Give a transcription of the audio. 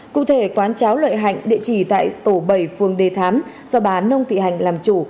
cụ thể quán cháo lợi hạnh địa chỉ tại tổ bảy phường đề thám do bà nông thị hạnh làm chủ